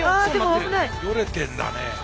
よれてんだね。